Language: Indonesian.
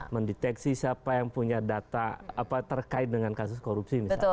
mendeteksi siapa yang punya data terkait dengan kasus korupsi misalnya